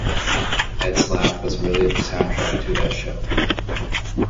Ed's laugh was really the soundtrack to that show.